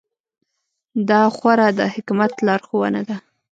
دا خورا د حکمت لارښوونه ده.